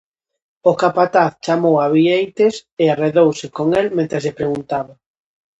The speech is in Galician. O capataz chamou a Bieites e arredouse con el mentres lle preguntaba: